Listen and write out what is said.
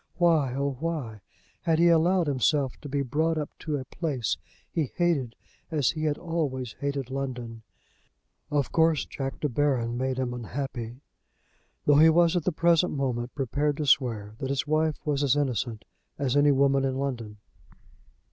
Why, oh why, had he allowed himself to be brought up to a place he hated as he had always hated London! Of course Jack De Baron made him unhappy, though he was at the present moment prepared to swear that his wife was as innocent as any woman in London.